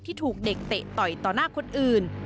ถูกเด็กเตะต่อยต่อหน้าคนอื่น